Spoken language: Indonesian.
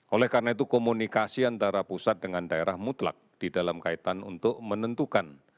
oleh karena itu komunikasi antara pusat dengan daerah mutlak di dalam kaitan untuk menentukan